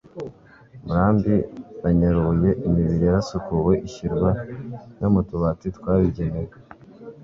Murambi na Nyarubuye imibiri yarasukuwe ishyirwa no mu tubati twabigenewe